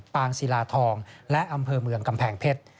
งศิลาทองและอำเภอเมืองกำแพงเพชร